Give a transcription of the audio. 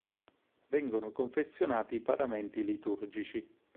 Vengono confezionati paramenti liturgici.